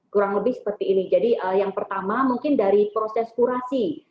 kurang lebih seperti ini jadi yang pertama mungkin dari proses kurasi